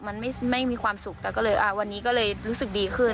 มันไม่มีความสุขแต่ก็เลยวันนี้ก็เลยรู้สึกดีขึ้น